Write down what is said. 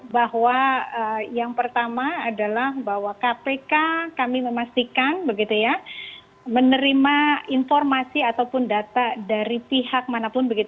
bahwa yang pertama adalah bahwa kpk kami memastikan menerima informasi ataupun data dari pihak manapun